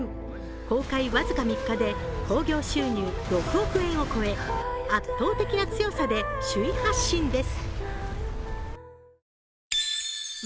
公開僅か３日で興行収入６億円を超え圧倒的な強さで首位発進です。